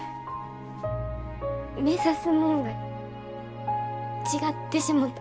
目指すもんが違ってしもた。